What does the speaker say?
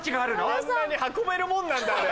あんなに運べるもんなんだあれ。